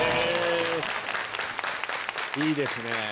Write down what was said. いいですね。